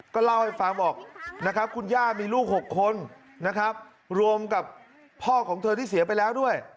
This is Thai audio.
ก็เล่าให้ฟังบอกนะครับคุณย่ามีลูก๖คนนะครับรวมกับพ่อของเธอที่เสียไปแล้วด้วย